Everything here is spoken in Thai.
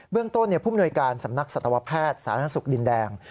เรื่องต้นผู้มนวยการสำนักสัตวแพทย์สาธารณสุขดินแดง